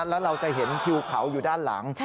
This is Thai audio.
แล้วเราจะเห็นทิวเขาอยู่ด้านหลัง